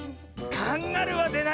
カンガルーはでないよ。